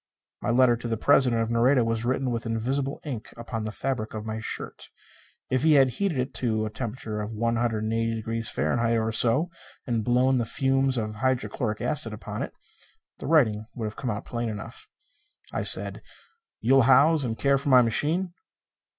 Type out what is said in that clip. My letter to the President of Nareda was written with invisible ink upon the fabric of my shirt. If he had heated it to a temperature of 180°F. or so, and blown the fumes of hydrochloric acid upon it, the writing would have come out plain enough. I said, "You'll house and care for my machine?"